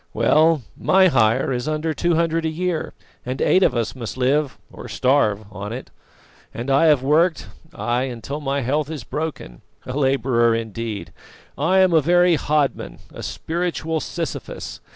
Well, my hire is under two hundred a year, and eight of us must live or starve on it. And I have worked, ay, until my health is broken. A labourer indeed! I am a very hodman, a spiritual Sisyphus.